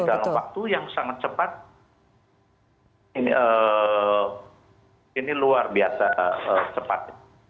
dalam waktu yang sangat cepat ini luar biasa cepat